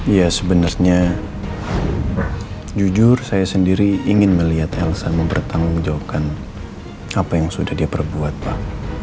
ya sebenarnya jujur saya sendiri ingin melihat elsa mempertanggungjawabkan apa yang sudah dia perbuat pak